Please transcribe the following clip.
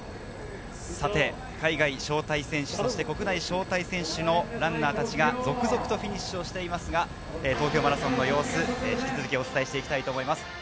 さて海外招待選手、そして国内招待選手のランナーたちが続々とフィニッシュをしていますが、東京マラソンの様子を引き続きお伝えしていきたいと思います。